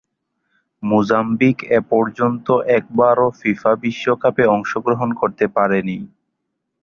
Mozambique এপর্যন্ত একবারও FIFA বিশ্বকাপে অংশগ্রহণ করতে পারেনি।